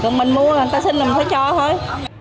còn mình mua người ta xin là mình phải cho thôi